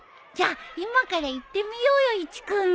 じゃあ今から行ってみようよ１組。